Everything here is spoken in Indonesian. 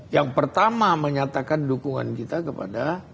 yang pertama menyatakan dukungan kita kepada